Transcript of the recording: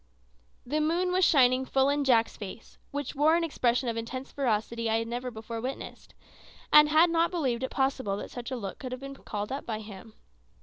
The moon was shining full in Jack's face, which wore an expression of intense ferocity I had never before witnessed, and had not believed it possible that such a look could have been called up by him.